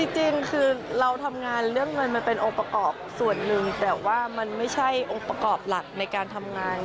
จริงคือเราทำงานเรื่องเงินมันเป็นองค์ประกอบส่วนหนึ่งแต่ว่ามันไม่ใช่องค์ประกอบหลักในการทำงาน